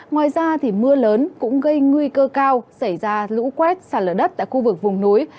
ngoài ra mưa lớn cũng gây nguy cơ cao xảy ra lũ quét xả lở đất tại khu vực vùng núi